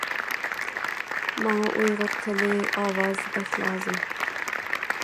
In the same tradition he also painted village scenes with markets and festivities.